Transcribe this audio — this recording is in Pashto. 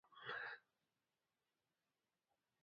د سیاسي فعالیتونو د کنټرول په موخه پاسپورټونه جوړ شول.